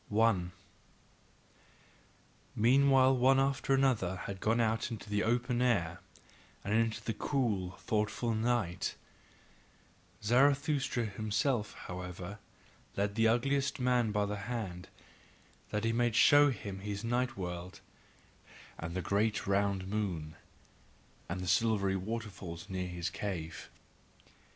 1. Meanwhile one after another had gone out into the open air, and into the cool, thoughtful night; Zarathustra himself, however, led the ugliest man by the hand, that he might show him his night world, and the great round moon, and the silvery water falls near his cave.